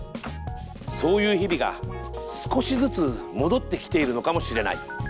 そういう日々が少しずつ戻ってきているのかもしれない。